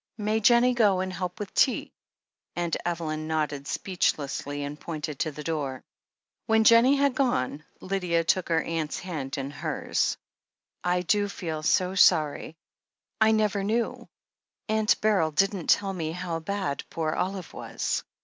"May Jennie go and help with the tea?" Aunt Eveljm nodded speechlessly, and pointed to the door. When Jennie had gone, Lydia took her aunt's hand in hers. "I do feel so sorry — I never knew — ^Aunt Beryl didn't tell me how. bad poor Olive was."